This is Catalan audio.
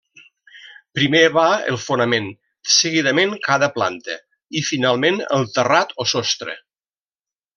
Primer va el fonament, seguidament cada planta, i finalment el terrat o sostre.